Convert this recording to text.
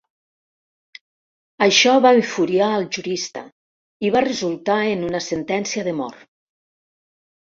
Això va enfuriar al jurista i va resultar en una sentència de mort.